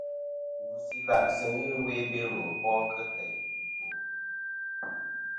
Ngvɨsɨ ila' sɨ ghɨ ɨwe i Belo bol kɨ teyn ɨkwo.